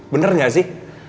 bener gak sih